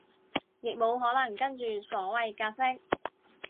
亦無可能跟住所謂格式